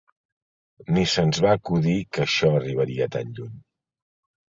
Ni se'ns va acudir que això arribaria tan lluny.